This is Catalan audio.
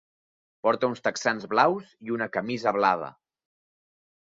Porta uns texans blaus i una camisa blava.